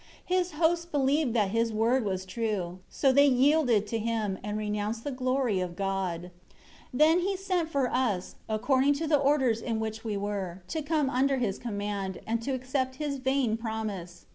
10 His hosts believed that his word was true, so they yielded to him, and renounced the glory of God. 11 He then sent for us according to the orders in which we were to come under his command, and to accept his vein promise.